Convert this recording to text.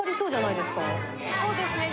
そうですね。